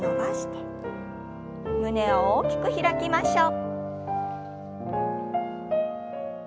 胸を大きく開きましょう。